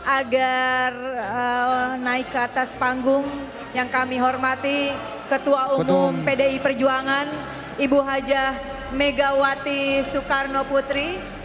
agar naik ke atas panggung yang kami hormati ketua umum pdi perjuangan ibu hajah megawati soekarno putri